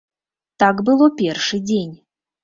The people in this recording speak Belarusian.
Так было першы дзень.